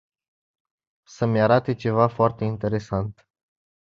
Să-mi arate ceva foarte interesant.